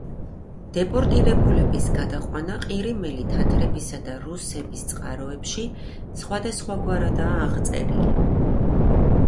დეპორტირებულების გადაყვანა ყირიმელი თათრებისა და რუსების წყაროებში სხვადასხვაგვარადაა აღწერილი.